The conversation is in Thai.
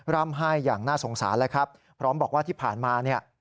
ร่ำไห้อย่างน่าสงสารแล้วครับพร้อมบอกว่าที่ผ่านมาเนี่ย